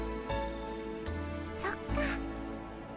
そっか。